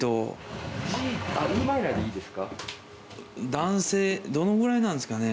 男性どのぐらいなんですかね？